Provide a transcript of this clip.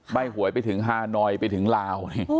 หวยไปถึงฮานอยไปถึงลาว